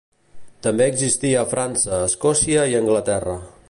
També existia a França, Escòcia i Anglaterra.